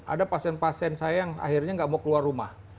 ada pasien pasien saya yang akhirnya nggak mau keluar rumah